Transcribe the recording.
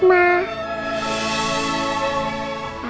ini buat oma